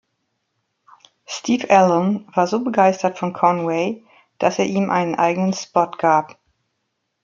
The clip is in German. Steve Allen war so begeistert von Conway, dass er ihm einen eigenen Spot gab.